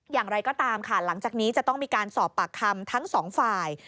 อย่างไรก็ตามค่ะหลังจากนี้จะต้องมีการสอบปากคำทั้งสองฝ่าย